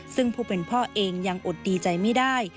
ซึ่งผู้เป็นพ่อเองยังอดดีใจไม่ได้